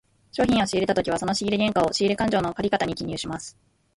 商品を仕入れたときはその仕入れ原価を、仕入れ勘定の借方に記入します。